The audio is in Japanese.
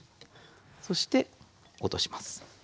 そして落とします。